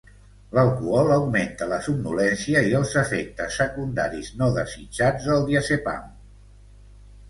L'alcohol augmenta la somnolència i els efectes secundaris no desitjats del diazepam.